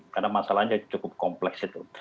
karena masalahnya cukup kompleks itu